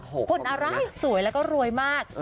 หล่นอะไล่สวยเราก็รวยมาก